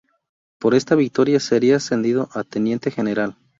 Por esta victoria sería ascendido a teniente general.